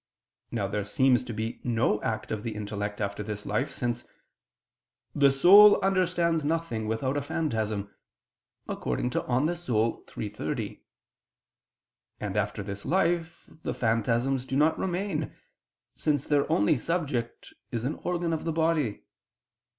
Now there seems to be no act of the intellect after this life, since "the soul understands nothing without a phantasm" (De Anima iii, text. 30); and, after this life, the phantasms do not remain, since their only subject is an organ of the body.